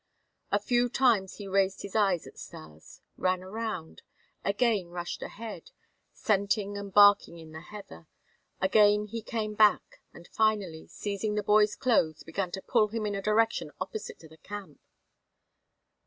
A few times he raised his eyes at Stas, ran around, again rushed ahead, scenting and barking in the heather; again he came back and finally, seizing the boy's clothes, began to pull him in a direction opposite to the camp.